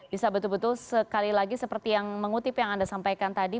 bisa betul betul sekali lagi seperti yang mengutip yang anda sampaikan tadi